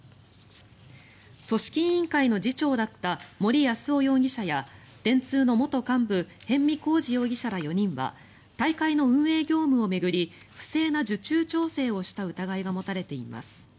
組織委員会の次長だった森泰夫容疑者や電通の元幹部逸見晃治容疑者ら４人は大会の運営業務を巡り不正な受注調整をした疑いが持たれています。